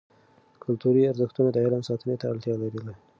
کلتوري ارزښتونه د علم ساتنې ته اړتیا لري.